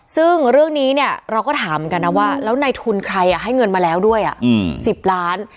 ซึ่งเรื่องนี้เนี่ยเราก็ถามเหมือนกันนะว่าแล้วในทุนใครให้เงินมาแล้วด้วย๑๐ล้าน